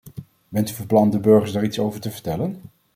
Bent u van plan de burgers daar iets over te vertellen?